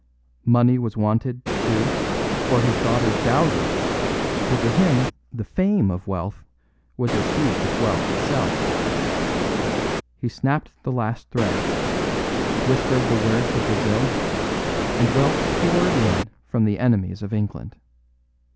Money was wanted, too, for his daughter's dowry; for to him the fame of wealth was as sweet as wealth itself. He snapped the last thread, whispered the word to Brazil, and wealth poured in from the enemies of England.